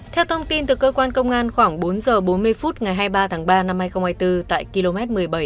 theo thông tin từ cơ quan công an khoảng bốn h bốn mươi phút ngày hai mươi ba tháng ba năm hai nghìn hai mươi bốn tại km một mươi bảy